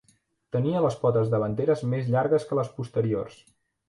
Tenia les potes davanteres més llargues que les posteriors.